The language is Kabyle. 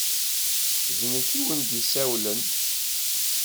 D nekk i wen-d-yessawlen.